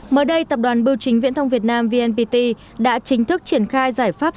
mới đây tập đoàn bưu chính viễn thông việt nam vnpt đã chính thức triển khai giải pháp